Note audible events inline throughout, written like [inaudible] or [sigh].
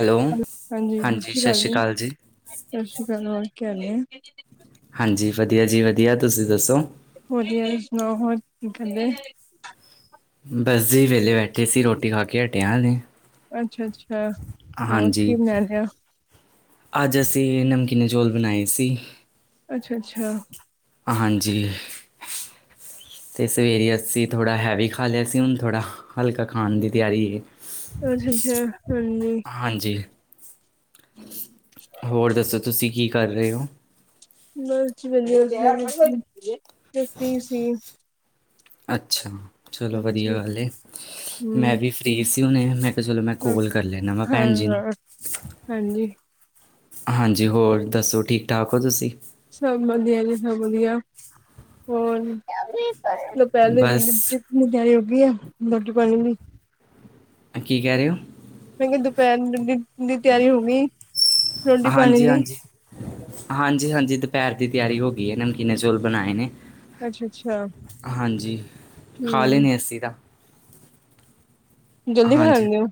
Hello ਹਾਂਜੀ, ਸਤ ਸ਼੍ਰੀ ਕਾਲ ਜੀ, ਸਤਿ ਸ਼੍ਰੀ ਕਾਲ ਹੋਰ ਕੀ ਹਾਲ ਏ। ਹਾਂਜੀ, ਵਧੀਆ ਜੀ -ਵਧੀਆ। ਤੁਸੀਂ ਦੱਸੋ? ਵਧੀਆ, ਤੁਸੀਂ ਸੁਣਾਓ ਹੋਰ ਕੀ ਕਰਦੇ? ਬਸ ਜੀ, ਵੇਹਲੇ ਬੈਠੇ ਸੀ, ਰੋਟੀ ਖਾ ਕੇ ਹਟੇ ਆਂ ਹਲੇ। ਅੱਛਾ- ਅੱਛਾ ਹੋਰ ਹਾਂਜੀ ਕੀ ਬਣਾ ਲਿਆ? ਅੱਜ ਅਸੀਂ, ਨਮਕੀਨ ਚੌਲ ਬਣਾਏ ਸੀ। ਅੱਛਾ- ਅੱਛਾ। ਹਾਂਜੀ। ਤੇ, ਸਵੇਰੇ ਅਸੀਂ ਥੋੜ੍ਹਾ ਹੈਵੀ ਖਾ ਲੇਆ ਸੀ, ਹੁਣ ਥੋੜਾ ਹਲਕਾ, ਖਾਨ ਦੀ ਤਿਆਰੀ ਏ। ਅੱਛਾ- ਅੱਛਾ, ਹਾਂਜੀ। ਹਾਂਜੀ, ਹੋਰ ਦੱਸੋ, ਤੁਸੀਂ ਕੀ ਕਰ ਰਏ ਓ? ਬਸ ਜੀ ਵੇਹਲੀ [unintelligible] ਅੱਛਾ, ਚਲੋ ਵਧੀਆ ਹਾਂਜੀ ਗੱਲ ਏ ਮੈਂ ਹਮ ਵੀ ਫਰੀ ਸੀ ਹੁਣੇ, ਮੈਂ ਤੇ, ਚਲੋ ਮੈਂ ਕੌਲ ਕਰ ਲੈਂਨਾ ਵਾ ਹਾਂ ਭੈੰਜੀ ਨੂੰ। ਹਾਂ ਹਾਂਜੀ ਹਾਂਜੀ, ਹੋਰ ਦੱਸੋ, ਠੀਕ -ਠਾਕ ਹੋ ਤੁਸੀਂ? ਸਬ ਵਧੀਆ ਜੀ- ਸਬ ਵਧੀਆ ਹੋਰ? ਪੈਲੇ ਦਿਨ ਬਸ ਦੀ ਤੇਆਰੀ ਹੋਗੀ ਆ, ਰੋਟੀ -ਪਾਣੀ ਦੀ। ਕੀ ਕੇਹ ਰੇ ਓ? ਮੈਂ ਕੇਹਾ ਦੁਪੈਰ ਰੋ ਦੀ ਤਿਆਰੀ ਹੋ ਗਈ, ਰੋਟੀ- ਪਾਣੀ ਹਾਂਜੀ ਦੀ? ਹਾਂਜੀ ਹਾਂਜੀ- ਹਾਂਜੀ ਦੁਪੈਰ ਦੀ ਤੇਆਰੀ ਹੋ ਗਈ ਐ ਨਮਕੀਨ ਚੌਲ ਬਣਾਏ ਨੇ। ਅੱਛਾ ਅੱਛਾ ਹਾਂਜੀ, ਖਾ ਹਮ ਲੈੰਨੇ ਅਸੀਂ ਤਾਂ। ਜਲਦੀ ਖਾ ਹਾਂਜੀ, ਲੈਂਦੇ ਹੋ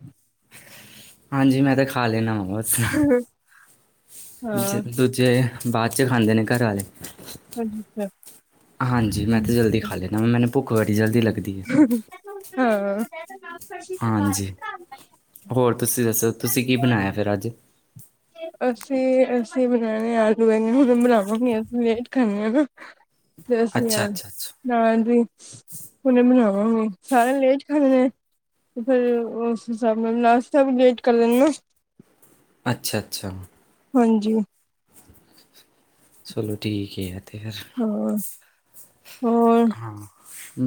ਹਾਂਜੀ ਮੈਂ ਤਾਂ ਖਾ ਲੈਂਨਾ ਵਾ ਬਸ। [unintelligible] ਜ, ਹਾਂ ਦੂਜੇ ਬਾਦ 'ਚ ਖਾਂਦੇ ਨੇ, ਘਰ ਆਲੇ। ਅੱਛਾ ਹਾਂਜੀ, ਮੈਂ ਤੇ ਜਲਦੀ ਖਾ ਲੈਂਨਾ, ਮੈਨੂੰ ਭੁੱਖ ਬੜੀ ਜਲਦੀ ਲੱਗਦੀ ਐ। ਹਾਂ। ਹਾਂਜੀ, ਹੋਰ ਤੁਸੀਂ ਦੱਸੋ ਤੁਸੀਂ ਕੀ ਬਣਾਇਆ ਫਿਰ ਅੱਜ? ਅਸੀਂ-ਅਸੀਂ ਬਣਾਏ ਆਲੂ ਬੈਂਗਣ ਹੁਣ ਰਾਤ ਨੂੰ ਵੀ ਸੀ ਉਹੀ ਖਾਂਵਾ ਗੇ। ਪਰਸ ਅੱਛਾ ਵਗੈਰਾ, ਅੱਛਾ ਅੱਛਾ ਨਾ ਜੀ। ਹੁਨੇ ਬਣਾਵਾਂਗੇ ਸਾਰੇ ਲੇਟ ਖਾਂਦੇ ਆ। ਫਿਰ ਉਸ ਹਿਸਾਬ ਨਾਲ ਨਾਸਤਾ ਵੀ ਲੇਟ ਕਰਰੇ ਨਾ। ਅੱਛਾ ਅੱਛਾ ਹਾਂਜੀ ਚਲੋ ਠੀਕ ਹੈ ਅਤੇ ਫਿਰ ਹੂੰ ਹਾਂ,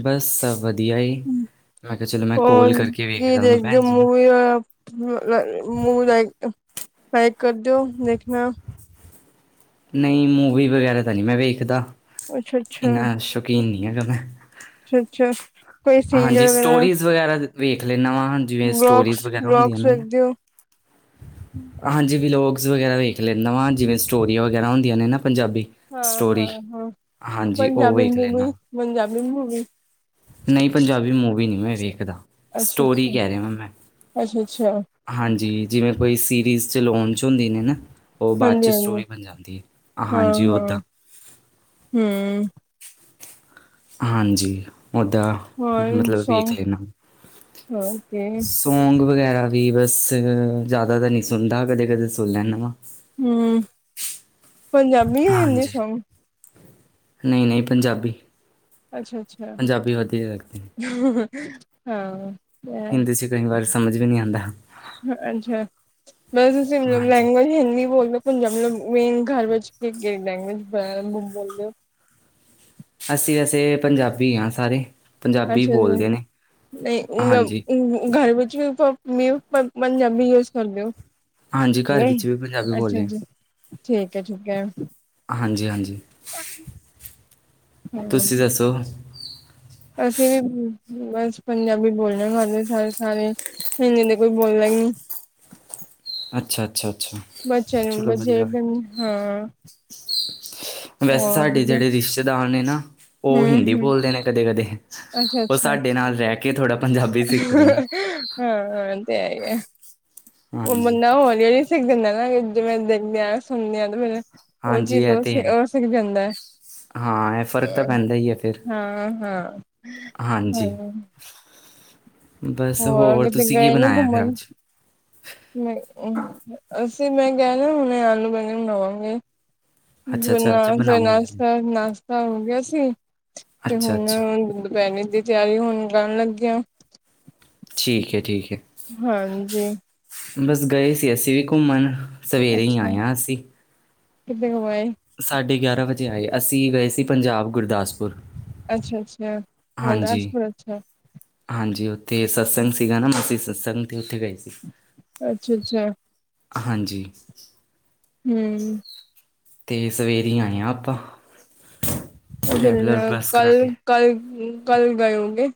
ਬਸ ਸਭ ਵਧ ਵਧੀਆ ਜੀ, ਮੈਂ ਕਿਹਾ ਚਲੋ ਮੈਂ ਕੋਲ ਕਰਕੇ ਵੇਖਦਾ ਹੁਣ ਭੈਣ ਜੀ ਨੂੰ ਅ ਮੂ ਆ ਮੂਵੀ ਆਈ ਨਾਲੇ ਕਦੋ ਵੇਖਣਾ। ਨਹੀਂ-ਨਹੀ ਮੂਵੀ ਵਗੈਰਾ ਤਾਂ ਨਹੀਂ ਮੈਂ ਵੇਖਦਾ ਅੱਛਾ ਅੱਛਾ ਇੰਨਾ ਸ਼ੌਕੀਨ ਨਹੀਂ ਹੈਗਾ ਮੈਂ। ਅੱਛਾ ਅੱਛਾ ਕੋਈ ਹਾਂਜੀ ਸੀਰੀਅਲ ਵਗੈਰਾ ਸਟੋਰੀਜ਼ ਵਗੈਰਾ ਵੇਖ ਲੈਂਦਾ ਵਾਂ ਹਾਂਜ ਜਿਵੇਂ ਸਟੋਰੀਜ਼ ਬਲੋਗਸ ਵਗੈਰਾ ਹੁੰਦੀਆਂ ਬਲੋਗਸ ਨੇ ਨਾ। ਵੇਖਦੇ ਹੋ? ਹਾਂਜੀ ਵਿਲੋਗਸ ਵਗੈਰਾ ਵੇਖ ਲੈਂਦਾ ਵਾ ਜਿਵੇਂ ਸਟੋਰੀ ਜਿਹੜੀ ਵਗੈਰਾ ਹੁੰਦੀਆਂ ਨੇ ਨਾ ਪੰਜਾਬੀ। ਹਾਂ ਸਟੋਰੀ ਹਾਂ ਹਾਂ, ਹਾਂਜੀ ਉਹ ਪੰਜਾਬੀ ਵੇਖ ਲੈਂਦਾ ਮੂਵੀ-ਪੰਜਾਬੀ ਮੂਵੀ। ਨੀ ਪੰਜਾਬੀ ਮੂਵੀ ਨਹੀਂ ਮੈਂ ਵੇਖਦਾ। ਅੱਛਾ ਸਟੋਰੀ ਅੱਛਾ, ਕਹਿ ਰਿਹਾ ਵਾਂ ਮੈਂ ਅੱਛਾ ਅੱਛਾ। ਹਾਂਜੀ ਜਿਵੇਂ ਕੋਈ ਸੀਰੀਜ਼ ਲੋਨ 'ਚ ਹੁੰਦੀ ਨੇ ਨਾ। ਉਹ ਬਾਅਦ ਹਾਂਜੀ 'ਚ ਹਾਂਜੀ ਸਟੋਰੀ ਬਣ ਜਾਂਦੀ ਹੈ ਆ, ਹਾਂਜੀ ਉੱਦਾਂ। ਹੂੰ। ਹਾਂਜੀ ਓਦਾਂ ਹੋਰ ਮਤਲਬ ਵੇਖ ਸੌਂਗ ਲੈਣਾ। ਓਕੇ ਸੋ ਸੌਗ ਵਗੈਰਾ ਵੀ ਬਸ ਜ਼ਿਆਦਾ ਤਾਂ ਨਹੀਂ ਸੁਣਦਾ ਕਦੇ- ਕਦੇ ਸੁਣ ਲੈਦਾ ਵਾਂ। ਹੂੰ, ਪੰਜਾਬੀ ਜਾਂ ਹਿੰਦੀ ਸੌਗ? ਨਈ -ਨਈ ਪੰਜਾਬੀ। ਅੱਛਾ ਅੱਛਾ ਪੰਜਾਬੀ ਵਧੀਆ ਲੱਗਦੇ ਨੇ [unintelligible] ਹਾਂ। ਹਿੰਦੀ 'ਚ ਕਈ ਵਾਰ ਸਮਝ ਵੀ ਨਹੀਂ ਆਉਂਦਾ ਇਹ, ਅੱਛਾ ਬਸ ਤੁਸੀਂ ਮਤਲਬ ਹਾਂਜੀ ਲੈਂਗੁਏਜ ਹਿੰਦੀ ਬੋਲੋ। ਪੰਜਾਬੀ ਮੀਨਜ਼ ਘਰ ਵਿੱਚ ਕਿਹੜੀ ਲੈਂਗੁਏਜ ਜਿਆਦਾ ਬੋਲਦੇ ਓ। ਅਸੀਂ ਵੈਸੇ ਪੰਜਾਬੀ ਹਾਂ ਸਾਰੇ। ਪੰਜਾਬੀ ਅੱਛਾ ਜੀ ਬੋਲਦੇ ਨੇ ਨੀ ਨ ਹਾਂਜੀ ਘਰ ਵਿੱਚ ਤ ਨੀ ਪਰ ਪੰਜਾਬੀ ਯੂਜ ਕਰ ਦੇ ਓ। ਹਾਂਜੀ ਘਰ ਵਿੱਚ ਵੀ ਪੰਜਾਬੀ ਬੋਲਦੇ ਹਾਂ। ਜੀ ਠੀਕ ਹੈ ਠੀਕ ਹੈ। ਹਾਂਜੀ ਹਾਂਜੀ, ਹਾਂ ਤੁਸੀਂ ਦੱਸੋ। ਅਸੀਂ ਵੀ ਬਸ ਪੰਜਾਬੀ ਬੋਲਦੇ ਆਂ ਘਰ ਸਾਡੇ ਸਾਰੇ। ਹਿੰਦੀ ਤਾਂ ਕੋਈ ਬੋਲਦਾ ਈਨੀ ਅੱਛਾ ਅੱਛਾ ਅੱਛਾ। ਬੱਚੇ ਨੂੰ ਚਲੋ ਬਚੇ ਵਧੀਆ ਹੁਨ ਹਾਂ। ਵੈਸੇ ਹਮ ਸਾਡੇ ਜਿਹੜੇ ਰਿਸ਼ਤੇਦਾਰ ਨੇ ਨਾ ਉਹ ਹਿੰਦੀ ਹਮ ਬੋਲਦੇ ਨੇ ਕਦੇ -ਕਦੇ ਅੱਛਾ ਉਹ ਅੱਛਾ ਸਾਡੇ ਨਾਲ ਰਹਿ ਕੇ ਥੋੜ੍ਹਾ ਪੰਜਾਬੀ ਸਿੱਖਦੇ ਨੇ। ਹਾਂ ਇਹ ਤਾਂ ਹੈ ਹੀ ਹੈ ਉਹ ਹਾਂਜੀ ਬੰਦਾ ਹੌਲੀ ਹੌਲੀ। ਸਿੱਖ ਜਾਂਦਾ ਨਾ ਐਵੇਂ ਜਿਵੇਂ [unintelligible] ਸੁਣਦੇ ਹਾਂ ਤੇ ਫਿਰ ਉਹ ਹਾਂਜੀ ਚੀਜ਼ ਇਹ ਉਹ ਤੇ ਸੀ ਹੈ ਉਹ ਸਿੱਖ ਜਾਂਦਾ। ਹਾਂ ਇਹ ਫ਼ਰਕ ਤਾਂ ਪੈਂਦਾ ਹੀ ਹੈ ਫਿਰ। ਹਾਂ ਹਾਂ। ਹਾਂਜੀ ਹਾਂ ਬਸ ਹੋਰ ਤੁਸੀਂ ਕੀ ਬਣਾਇਆ ਫਿਰ ਅੱਜ। ਨਹੀਂ ਇਹ। ਅਸੀਂ ਮੈਂ ਕਹਿਣਾ ਹੁਣੇ ਆਲੂ ਬੈਂਗਣ ਬਣਾਵਾਂਗੇ। ਅੱਛਾ ਅੱਛਾ ਅੱਛਾ ਫਿਰ ਬਣਾਓਗੇ ਨਾਸ਼ਤਾ ਨਾਸ਼ਤਾ ਹੋ ਗਿਆ ਸੀ ਤੇ ਅੱਛਾ ਅੱਛਾ ਹੁਣ। ਬੈਂਗਣ ਦੀ ਤਿਆਰੀ ਹੁਣ ਕਰਨ ਲੱਗੇ ਆਂ। ਠੀਕ ਹੈ ਠੀਕ ਹੈ। ਹਾਂਜੀ। ਬਸ ਗਏ ਸੀ ਅਸੀਂ ਵੀ ਘੁੰਮਣ ਸਵੇਰੇ ਹੀ ਅੱਛਾ ਆਏ ਹਾਂ ਅਸੀਂ। ਕਿੱਥੇ ਹੋ ਆਏ। ਸਾਢੇ ਗਿਆਰਾਂ ਵਜੇ ਆਏ ਅਸੀਂ ਗਏ ਸੀ ਪੰਜਾਬ ਗੁਰਦਾਸਪੁਰ। ਅੱਛਾ ਅੱਛਾ ਹਾਂਜੀ ਗੁਰਦਾਸਪੁਰ ਅੱਛਾ। ਹਾਂਜੀ ਉੱਥੇ ਸਤਸੰਗ ਸੀਗਾ ਨਾ ਅਸੀਂ ਸਤਸੰਗ 'ਤੇ ਉੱਥੇ ਗਏ ਸੀ। ਅੱਛਾ ਅੱਛਾ ਹਾਂਜੀ ਹੂੰ। ਤੇ ਸਵੇਰੇ ਆਏ ਹਾਂ ਆਪਾਂ। ਹਜੇ ਨਹੀਂ ਟਰੈਵਲਰ ਜਾਣਾ ਬੱਸ ਕਰਾ ਕੇ ਕੱਲ ਕੱਲ ਗਏ ਹੋ ਗਏ।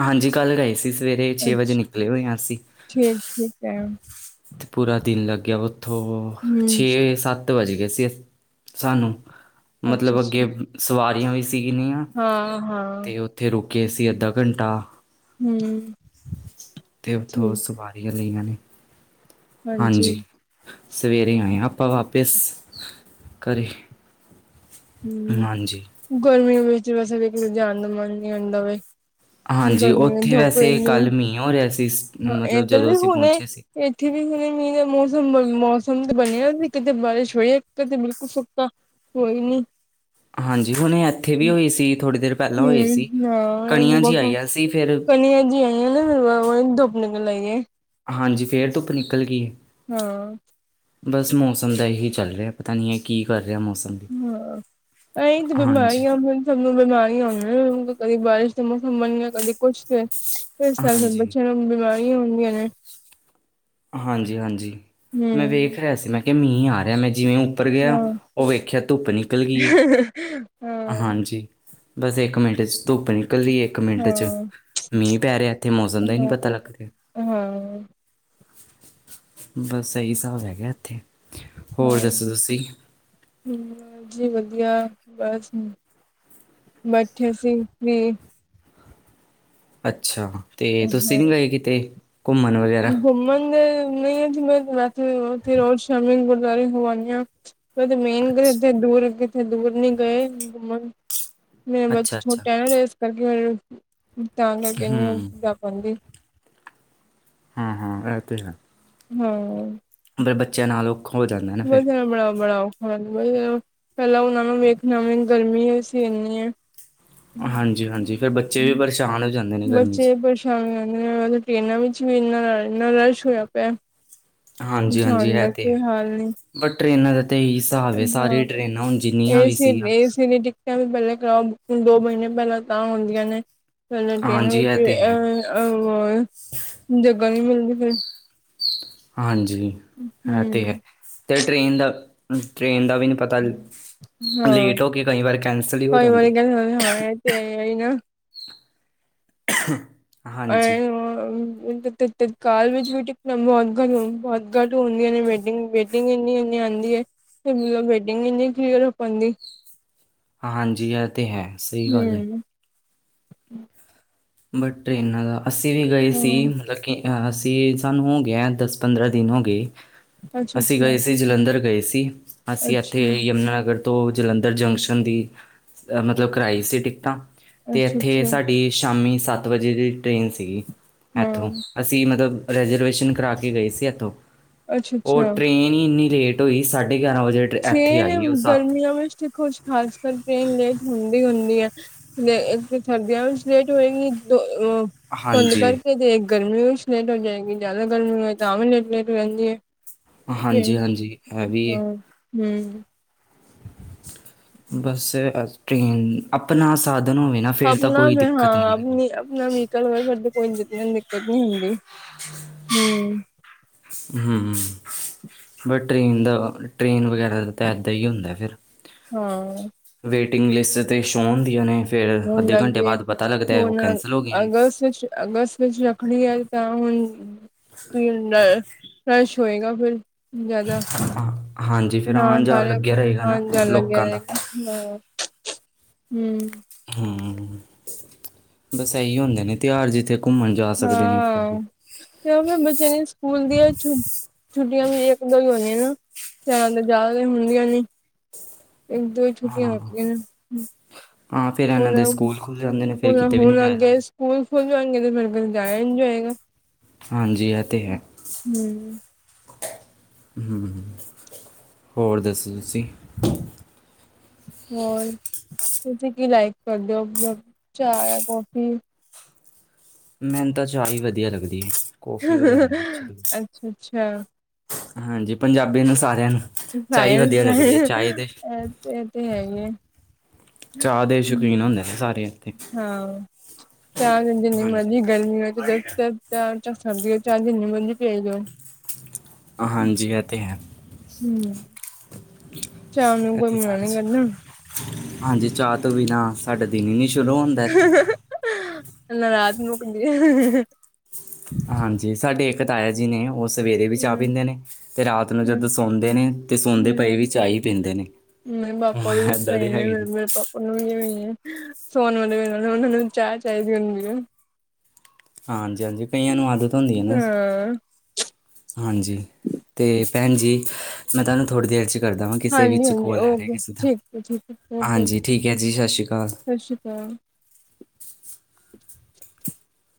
ਹਾਂਜੀ ਕੱਲ ਗਏ ਸੀ ਸਵੇਰੇ ਛੇ ਵਜੇ ਅੱਛਾ ਨਿਕਲੇ ਹੋਏ ਹਾਂ ਅਸੀਂ। ਠੀਕ ਠੀਕ ਹੈ। ਤੇ ਪੂਰਾ ਦਿਨ ਲੱਗਿਆ ਉੱਥੋਂ ਹਮ ਛੇ ਸੱਤ। ਸੱਤ ਵੱਜ ਗਏ ਸੀ ਸਾਨੂੰ ਅੱਛਾ ਮਤਲਬ ਅੱਗੇ ਅੱਛਾ ਸਵਾਰੀਆਂ ਵੀ ਸੀਗੀਆਂ। ਹਾਂ ਹਾਂ। ਉੱਥੇ ਰੁਕੇ ਸੀ ਅੱਧਾ ਘੰਟਾ ਹਮ ਤੇ ਉੱਥੋਂ ਠੀਕ ਉਸ ਬਾਅਦ। ਇਹ ਰਹੀਆਂ ਨੇ। ਹਾਂਜੀ ਸਵੇਰੇ ਆਏ ਹਾਂ ਆਪਾਂ ਵਾਪਿਸ ਘਰੇ। ਹਾਂਜੀ। ਗਰਮੀ ਵਿੱਚ ਵੈਸੇ ਵੀ ਕੀਤੇ ਜਾਣ ਦਾ ਮਨ ਨੀ ਹੁੰਦਾ ਵੇ। ਹਾਂਜੀ ਗਰਮੀ ਉੱਥੇ ਧੁੱਪ ਵੈਸੇ ਇੰਨੀ ਕੱਲ ਮੀਂਹ ਹੋ ਰਿਹਾ ਸੀ। ਹਾਂ ਮਤਲਬ ਇੱਧਰ ਜਦੋਂ ਵੀ ਅਸੀਂ ਹੁਣੇ। ਪਹੁੰਚੇ ਸੀ ਇੱਥੇ ਵੀ ਹੁਣੇ ਮੀਂਹ ਦਾ ਮੌਸਮ ਮੌਸਮ ਤੇ ਬਣਿਆ ਕਿਤੇ ਬਾਰਿਸ਼ ਹੋਈ ਕਿਤੇ ਬਿਲਕੁਲ ਸੁੱਕਾ। ਹੋਈ ਨੀ ਹਾਂਜੀ ਹੁਣ ਇੱਥੇ ਵੀ ਹੋਈ ਸੀ ਥੋੜੀ ਦੇਰ ਪਹਿਲਾਂ ਹੋਈ ਸੀ ਹੂੰ ਹਾਂ ਕਣੀਆਂ ਇਹ ਜਿਹੀ ਬਹੁ ਆਈਆਂ ਸੀ ਫਿਰ ਕਨੀਆ ਜਿਹੀਆ ਆ ਵਾਹ ਧੁੱਪ ਨਿਕਲ ਆਈ ਏ। ਹਾਂਜੀ ਫਿਰ ਧੁੱਪ ਨਿਕਲ ਗਈ। ਹਾਂ। ਬਸ ਮੌਸਮ ਦਾ ਇਹੀ ਚੱਲ ਰਿਹਾ ਪਤਾ ਨਹੀਂ ਹੈ ਕੀ ਕਰ ਰਿਹਾ ਮੌਸਮ। ਵੀ ਹਾਂ ਤਾਂ ਇਹੀ ਤੇ ਹਾਂਜੀ ਬਿਮਾਰੀਆਂ ਨੇ। ਸਭ ਨੂੰ ਬਿਮਾਰੀਆਂ ਹੋ ਜੇ ਨੇ ਕਦੀ ਬਾਰਿਸ਼ ਦਾ ਮੌਸਮ ਬਣ ਗਿਆ ਕਦੇ ਕੁਛ ਤੇ ਇਸ ਨਾਲ ਫਿਰ ਹਾਂਜੀ ਬੱਚਿਆਂ ਨੂੰ ਬਿਮਾਰੀਆਂ ਹੁੰਦੀਆਂ ਨੇ। ਹਾਂਜੀ ਹਾਂਜੀ ਮੈਂ ਹਮ ਵੇਖ ਰਿਹਾ ਸੀ ਮੈਂ ਕਿਹਾ ਮੀਂਹ ਆ ਰਿਹਾ ਮੈਂ ਜਿਵੇਂ! ਉੱਪਰ ਗਿਆ ਹਾਂ ਉਹ ਵੇਖਿਆ ਧੁੱਪ ਨਿਕਲ ਗਈ ਏ ਹਾਂ 'ਹਾਂਜੀ। ਬਸ ਇੱਕ ਮਿੰਟ 'ਚ ਧੁੱਪ ਨੀਂ ਨਿਕਲਦੀ ਏ ਇੱਕ ਮਿੰਟ ਚ ਹਾਂ-ਹਾਂ-ਹਾਂ, ਮੀਂਹ ਪੈ ਰਿਹਾ ਇੱਥੇ ਮੌਸਮ ਦਾ ਹੀ ਨਹੀਂ ਪਤਾ ਲੱਗ ਰਿਹਾ। ਹਾਂ। ਬਸ ਇਹੀ ਹਿਸਾਬ ਹੈਗਾ' ਇੱਥੇ ਹੋਰ ਦੱਸੋ ਤੁਸੀਂ! ਜੀ ਵਧੀਆ ਬਸ ਹੁਣ ਬੈਠੇ ਸੀ ਵੀ ਅੱਛਾ ਤੇ ਤੁਸੀਂ ਨੀ ਗਏ ਕਿਤੇ ਘੁੰਮਣ ਵਗੈਰਾ ਘੁੰਮਣ ਗਏ ਨਹੀਂ ਜਿਵੇਂ ਰਾਤੀ ਰੋਜ਼ ਸ਼ਾਮੀ ਗੁਰਦੁਆਰੇ ਹੋ ਆਂਦੇ ਹਾਂ। ਮੇਨ ਗਏ ਅੱਛਾ ਕਿੱਥੇ ਦੂਰ ਕਿਥੇ ਦੂਰ ਨਹੀਂ ਗਏ ਘੁੰਮਣ। ਮੈਂ ਬੱਚਾ ਅੱਛਾ ਅੱਛਾ ਛੋਟਾ ਹੈ ਨਾ ਤੇ ਇਸ ਕਰਕੇ ਤਾਂ ਕਰਕੇ ਨਹੀਂ ਹੂੰ ਜਾ ਪਾਉਂਦੀ। ਹਾਂ ਇਹ ਤੇ ਹੈ। ਹਾਂ। ਬੱਚਿਆਂ ਨਾ ਲਓ ਹੋ ਜਾਂਦਾ ਵਧੀਆ ਮਿਲਾਓ ਮਿਲਾਓ। ਹਾਂ ਬਸ ਪਹਿਲਾਂ ਉਹਨਾਂ ਨੂੰ ਵੇਖਣਾ ਵੀ ਗਰਮੀ ਅਸੀਂ ਇੰਨੀ ਏ। ਹਾਂਜੀ ਹਾਂਜੀ ਫਿਰ ਬੱਚੇ ਵੀ ਪਰੇਸ਼ਾਨ ਹੋ ਜਾਂਦੇ ਨੇ ਗਰਮੀ 'ਚ। ਹਾਂ ਟ੍ਰੇਨਾਂ ਵਿੱਚ ਵੀ ਇੰਨਾ ਇੰਨਾ ਰਸ਼ ਹੋਇਆ ਪਿਆ। ਜਾਣ ਦਾ ਕੋਈ ਹਾਲ ਨਹੀਂ। ਬਸ ਟਰੇਨਾਂ ਦਾ ਤਾਂ ਇਹੀ ਹਿਸਾਬ ਹੈ ਹਾਂ ਸਾਰੀਆਂ ਟਰੇਨਾਂ ਹੁਣ ਜਿੰਨੀਆਂ ਵੀ ਏਸੀ ਸੀਆਂ ਏਸੀ ਦੀ ਵੀ ਪਹਿਲਾਂ ਕਰਾਓ ਬੁਕਿੰਗ ਦੋ ਮਹੀਨੇ ਪਹਿਲਾਂ ਤਾਂ ਹੁੰਦੀਆਂ ਨੇ ਪਹਿਲਾਂ ਹਾਂਜੀ ਇਹ ਤੇ ਹੈ [unintelligible] ਆ ਜਗਾ ਨੀ ਮਿਲਦੀ ਫਿਰ। ਹਾਂਜੀ ਹੈ ਤੇ ਹੈ ਹਮ ਤੇ ਟ੍ਰੇਨ ਦਾ ਟ੍ਰੇਨ ਦਾ ਵੀ ਨਹੀਂ ਪਤਾ ਨਹੀਂ ਹਾਂ ਲੇਟ ਹੋ ਕੇ ਕਈ ਵਾਰ ਕੈਂਸਲ ਹੀ ਹੋ ਜਾਂਦੀ ਹੈ। [unintelligible] ਤੇ ਆਈ ਨਾ [unintelligible] [unintelligible] ਤਤਕਾਲ ਵਿੱਚ ਵੀ ਟਿਕਟ ਬਹੁਤ ਘੱਟ ਬਹੁਤ ਘੱਟ ਹੁੰਦੀਆਂ ਨੇ ਵੇਟਿੰਗ ਵੇਟਿੰਗ ਇਨੀ ਇਨੀ ਆਉਂਦੀ ਹੈ। ਵੈਟਿੰਗ ਇਨੀ ਕਲੀਅਰ ਹੋ ਪਾਂਦੀ ਹਾਂ ਹਾਂਜੀ ਇਹ ਤਾਂ ਹੈ ਸਹੀ ਗੱਲ ਹੈ। ਹੂੰ, ਬਟ ਟਰੇਨਾਂ ਦਾ ਅਸੀਂ ਵੀ ਗਏ ਸੀ ਹਾਂ, ਮਤਲਬ ਕਿ ਅਸੀਂ ਸਾਨੂੰ ਹੋ ਗਏ ਦਸ ਪੰਦਰਾਂ ਦਿਨ ਹੋ ਗਏ। ਅਸੀਂ ਅੱਛਾ-ਅੱਛਾ, ਗਏ ਸੀ ਜਲੰਧਰ ਗਏ ਸੀ ਅਸੀਂ ਇੱਥੇ ਅੱਛਾ, ਯਮੁਨਾਨਗਰ ਤੋਂ ਜਲੰਧਰ ਜੰਕਸ਼ਨ ਦੀ ਮਤਲਬ ਕਰਵਾਈ ਸੀ ਟਿਕਟਾਂ ਤੇ ਇੱਥੇ ਅੱਛਾ-ਅੱਛਾ, ਸਾਡੀ ਸ਼ਾਮੀ ਸੱਤ ਵਜੇ ਦੀ ਟ੍ਰੇਨ ਸੀਗੀ ਹਾਂ, ਇੱਥੋਂ। ਅਸੀਂ ਮਤਲਬ ਰਿਜਰਵੇਸ਼ਨ ਕਰਾ ਕੇ ਗਏ ਸੀ ਇੱਥੋਂ ਉਹ ਅੱਛਾ-ਅੱਛਾ ਟ੍ਰੇਨ ਇੰਨੀ ਲੇਟ ਹੋਈ ਸਾਡੀ। ਟ੍ਰੇਨ ਗਰਮੀਆਂ ਵਿੱਚ ਖੋ ਖਾਸ ਕਰ ਟ੍ਰੇਨ ਲੇਟ ਹੁੰਦੀ ਹੁੰਦੀ ਹੈ। ਸਰਦੀਆਂ ਵਿੱਚ ਲੇਟ ਹੋਏਗੀ ਦੋ। ਧੁੰਦ ਹਾਂਜੀ, ਕਰਕੇ ਜੇ ਗਰਮੀ ਲੇਟ ਹੋ ਜਾਏਗੀ ਜ਼ਿਆਦਾ ਗਰਮੀ ਹੋਏ ਤਾਂ ਆਮ ਵੀ ਲੇਟ ਲੇਟ ਹੋ ਜਾਂਦੀ ਹੈ। ਤੇ ਹਾਂਜੀ-ਹਾਂਜੀ ਇਹ ਹਾਂ ਵੀ ਏ। ਹੂੰ। ਬਸ ਟ੍ਰੇਨ ਆਪਣਾ ਸਾਧਨ ਹੋਵੇ ਨਾ। ਫੇਰ ਤਾਂ ਆਪਣਾ ਕੋਈ ਵੀ ਦਿੱਕਤ ਨਹੀਂ ਹੈਗੀ। ਹਾਂ ਆਪਣਾ ਵੀਕਲ ਹੋ ਫਿਰ ਕੋਈ ਦਿੱਕਤ ਨਹੀਂ ਹੁੰਦੀ। [inaudible] ਹੂੰ। ਹੂੰ। ਬਟ ਟ੍ਰੇਨ ਦਾ ਟ੍ਰੇਨ ਵਗੈਰਾ ਦਾ ਤਾਂ ਇੱਦਾਂ ਹੀ ਹੁੰਦਾ ਫਿਰ। ਹਾਂ। ਵੇਟਿੰਗ ਲਿਸਟ 'ਤੇ ਛੋ ਹਦੀਆਂ ਨੇ। ਫਿਰ ਹੁਣ ਅੱਧੇ ਘੰਟੇ ਜਾਂਦੀ ਹੈ ਬਾਅਦ ਪਤਾ ਲੱਗਦਾ ਹੈ ਉਹ ਹੁਣ ਕੈਂਸਲ ਹੋ ਗਈਆਂ ਨੇ ਅਗਸਤ ਵਿੱਚ ਅਗਸਤ ਰੱਖੜ ਆਈ ਤਾਂ ਹੁਣ ਹੁਣ ਫਰੈਸ਼ ਹੋਏਗਾ ਫਿਰ। ਜ਼ਿਆਦਾ ਹਾਂ- ਹਾਂਜੀ ਫਿਰ ਨਾ ਆਉਣ ਜਾਣ ਸਾਰੇ ਲੱਗਿਆ ਆਪਣੇ ਰਹੇਗਾ ਨਾ ਆਉਣ ਜਾਣ ਲੱਗਿਆ ਲੋਕਾਂ ਦਾ ਰਹੇਗਾ। ਹੂੰ, ਹੂੰ। ਹੂੰ ਬਸ ਇਹੀ ਹੁੰਦੇ ਨੇ ਤਿਉਹਾਰ ਜਿੱਥੇ ਘੁੰਮਣ ਜਾ ਸਕਦੇ ਨੇ ਆਪਾਂ ਵੀ। ਹਾਂ ਤੇ ਮੈਂ ਬੱਚਿਆਂ ਨੇ ਸਕੂਲ ਦੀਆਂ ਛੁੱਟੀਆਂ ਵੀ ਇੱਕ ਦੋ ਹੀ ਹੋਣੀ ਜਿਆਦਾ ਹੁੰਦੀਆਂ ਨੇ। ਇੱਕ ਦੋ ਹੀ ਛੁੱਟੀਆਂ ਹਾਂ [unintelligible] ਨੇ। ਹਾਂ ਫਿਰ ਇਹਨਾਂ ਹੁਣ ਦੇ ਸਕੂਲ ਖੁੱਲ ਜਾਂਦੇ ਨੇ ਫਿਰ ਹੁਣ ਕਿਤੇ ਵੀ ਨਹੀਂ ਹੁਣ ਜਾਇਆ ਅੱਗੇ ਜਾਂਦਾ। ਸਕੂਲ ਸਕੂਲ ਜਾਣਗੇ ਤੇ ਫਿਰ ਜਾਇਆ ਨਹੀਂ ਜਾਏਗਾ। ਹਾਂਜੀ ਇਹ ਤਾਂ ਹੈ। ਹੂੰ। ਹੋਰ ਦੱਸੋ ਤੁਸੀਂ। ਹੋਰ ਤੁਸੀਂ ਕੀ ਲਾਈਕ ਕਰਦੇ ਹੋ ਚਾਹ ਕੌਫੀ। ਮੈਨੂੰ ਤਾਂ ਚਾਹ ਹੀ ਵਧੀਆ ਲੱਗਦੀ ਹੈ। ਕੌਫੀ ਵਗੈਰਾ ਨਹੀਂ ਅੱਛੀ ਲੱਗਦੀ ਅੱਛਾ -ਅੱਛਾ। ਹਾਂਜੀ ਪੰਜਾਬੀਆਂ ਨੂੰ ਸਾਰਿਆਂ ਨੂੰ ਚਾਹ ਫਾਇਰ ਵਧੀਆ ਲੱਗਦੀ ਹੈ ਟ੍ਰਾਇਲ ਚਾਹ ਦੇ। ਇਹ ਇਹ ਤੇ ਹੈ ਹੀ ਹੈ। ਚਾਹ ਦੇ ਸ਼ੌਕੀਨ ਹੁੰਦੇ ਨੇ ਸਾਰੇ ਇੱਥੇ ਹਾਂ ਚਾਰ ਦਿਨ ਜਿੰਨੀ ਹਾਂਜੀ ਮਰਜ਼ੀ ਗਰਮੀ ਹੋਵੇ ਚਾਰ ਹਸਣ ਦੀ ਚਾਰ ਜਿੰਨੀ ਮਰਜ਼ੀ ਤੇਜ਼ ਹੋ। ਹਾਂਜੀ ਇਹ ਤਾਂ ਹੈ। ਉੱਚਾ ਉਹਨੂੰ ਕੋਈ ਇੱਥੇ ਸਾਰੇ [unintelligible] ਕਰਨਾ। ਹਾਂਜੀ ਚਾਹ ਤੋਂ ਬਿਨਾਂ ਸਾਡੇ ਦਿਨ ਹੀ ਨਹੀਂ ਸ਼ੁਰੂ ਹੁੰਦਾ ਇੱਥੇ। ਰਾਤ ਨੂੰ ਕਹਿੰਦੇ ਹਾਂਜੀ ਸਾਡੇ ਇੱਕ ਤਾਇਆ ਜੀ ਨੇ ਉਸ ਸਵੇਰੇ ਵੀ ਚਾਹ ਹਮ ਪੀਂਦੇ ਨੇ ਤੇ ਰਾਤ ਨੂੰ ਜਦੋਂ ਹਮ ਸੌਂਦੇ ਨੇ ਤੇ ਸੌਦੇ ਪਏ ਵੀ ਚਾਹ ਹੀ ਪੀਂਦੇ ਨੇ। ਨਹੀਂ ਪਾਪਾ ਵੀ ਏਦਾਂ ਸਹੀ ਦੇ ਨੇ ਹੈਗੇ ਮੇਰੇ ਪਾਪਾ। [unintelligible] ਸੋਨ ਵਾਲੇੇ ਉਹਨਾਂ ਨੂੰ ਚਾਹ ਚਾਹੀਦੀ ਹੁੰਦੀ ਆ। ਹਾਂਜੀ ਹਾਂਜੀ ਕਈਆਂ ਨੂੰ ਆਦਤ ਹੁੰਦੀ ਹੈ ਨਾ। ਹਾਂ ਹਾਂਜੀ ਤੇ ਭੈਣ ਜੀ ਮੈਂ ਤੁਹਾਨੂੰ ਥੋੜੀ ਦੇਰ 'ਚ। ਕਰਦਾ ਵਾਂ ਕਿਸੇ ਹਾਂਜੀ ਵਿੱਚ ਹਾਂਜੀ ਕੋਲ ਆ ਰਿਹਾ ਓਕੇ ਕਿਸੇ ਦਾ ਠੀਕ ਹੈ ਠੀਕ ਹੈ ਓਕੇ ਹਾਂਜੀ ਠੀਕ ਹੈ ਜੀ ਸਤਿ ਸ਼੍ਰੀ ਅਕਾਲ। ਸਤਿ ਸ਼੍ਰੀ ਅਕਾਲ। [inaudible]